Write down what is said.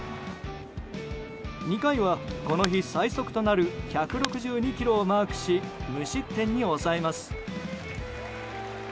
２回は、この日最速となる１６２キロをマークし無失点に抑えます。